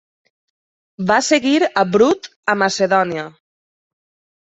Va seguir a Brut a Macedònia.